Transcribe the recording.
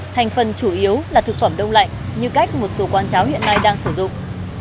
thành phần chủ yếu là thực phẩm đông lạnh như cách một số quán cháo hiện nay đang sử dụng